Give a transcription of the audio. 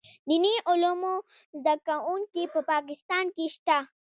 دیني علومو زده کوونکي په پاکستان کې شته.